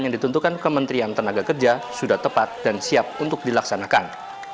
yang ditentukan kementerian tenaga kerja sudah tepat dan siap untuk dilaksanakan